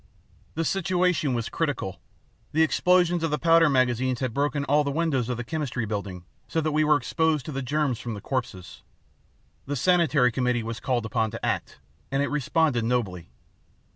"The situation was critical. The explosions of the powder magazines had broken all the windows of the Chemistry Building, so that we were exposed to the germs from the corpses. The sanitary committee was called upon to act, and it responded nobly.